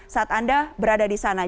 saat anda berada di sana